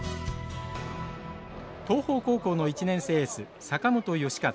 東邦高校の１年生エース坂本佳一。